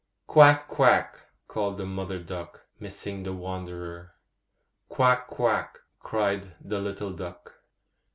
'Quack! quack!' called the mother duck, missing the wanderer. 'Quack! quack!' cried the little duck.